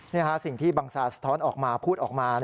สิ่งที่บังซาสะท้อนออกมาพูดออกมา